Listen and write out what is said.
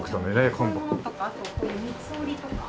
こういうものとかあと三つ折りとか。